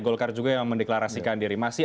golkar juga yang mendeklarasikan diri masih